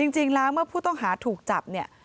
จริงแล้วเมื่อผู้ต้องหาถูกจับเนี่ย